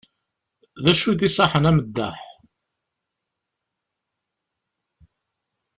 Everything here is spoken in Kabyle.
D acu i d-iṣaḥen ameddaḥ?